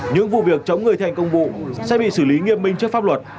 những vụ việc chống người thành công vụ sẽ bị xử lý nghiêm minh trước pháp luật